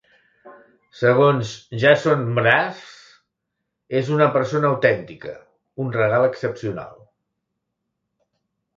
Segons Jason Mraz, "és una persona autèntica, un regal excepcional".